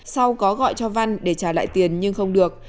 sau có gọi cho văn để trả lại tiền nhưng không được